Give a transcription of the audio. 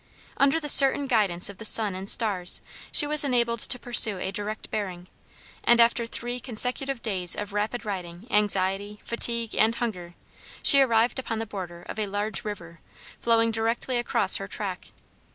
Under the certain guidance of the sun and stars she was enabled to pursue a direct bearing, and after three consecutive days of rapid riding, anxiety, fatigue, and hunger, she arrived upon the border of a large river, flowing directly across her track.